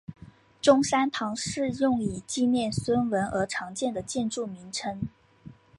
中山堂是用以纪念孙文而常见的建筑名称。